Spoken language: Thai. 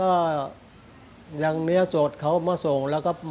กล่าวค้านถึงกุ้ยเตี๋ยวลุกชิ้นหมูฝีมือลุงส่งมาจนถึงทุกวันนี้นั่นเองค่ะ